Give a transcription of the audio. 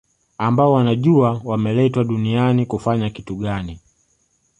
ambao wanajua wameletwa duniani kufanya kitu gani